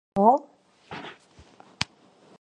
뭐예요?